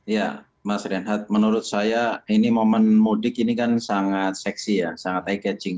ya mas renhat menurut saya ini momen mudik ini kan sangat seksi ya sangat eye catching